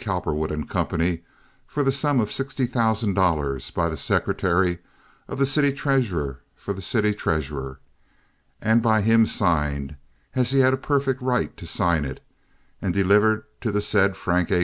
Cowperwood & Company for the sum of sixty thousand dollars by the secretary of the city treasurer for the city treasurer, and by him signed, as he had a perfect right to sign it, and delivered to the said Frank A.